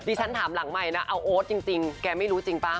ฉันถามหลังใหม่นะเอาโอ๊ตจริงแกไม่รู้จริงป่ะ